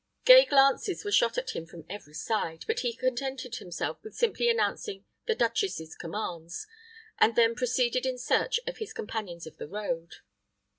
Gay glances were shot at him from every side, but he contented himself with simply announcing the duchess's commands, and then proceeded in search of his companions of the road.